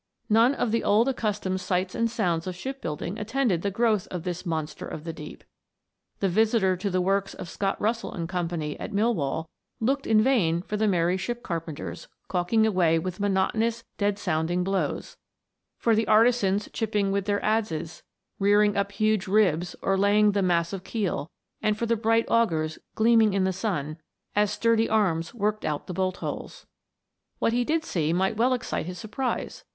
None of the old accustomed sights and sounds of ship building attended the growth of this monster of the deep. The visitor to the works of Scott Russell and Co., at Millwall, looked in vain for the merry ship carpenters, caulking away with monotonous dead sounding blows ; for the artisans chipping with their adzes, rearing up huge ribs, or laying the mas sive keel; and for the bright augers gleaming in the sun as sturdy arms worked out the bolt holes. * Lardner, on the Steam Engine. 314 THE WONDERFUL LAMP. What he did see might well excite his sm prise.